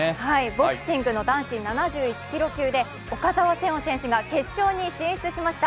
ボクシングの男子７１キロ級で岡澤セオン選手が決勝に進出しました。